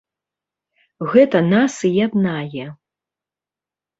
Гэта нас і яднае.